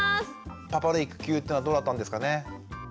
パパの育休っていうのはどうだったんですかね。